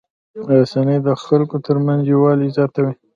رسنۍ د خلکو ترمنځ یووالی زیاتوي.